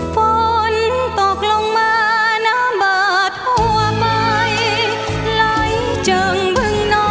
ฝนตกลงมาน้ำบาดทั่วไปไหลเจิงบึงนอ